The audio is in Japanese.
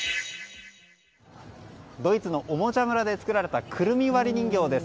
ドイツのおもちゃ村で作られたクルミ割り人形です。